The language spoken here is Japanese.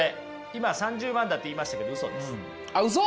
今３０万だって言いましたけどあっウソ？